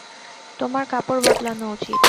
তোমার কাপড় বদলানো উচিত।